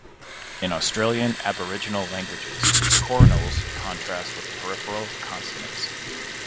In Australian Aboriginal languages, coronals contrast with peripheral consonants.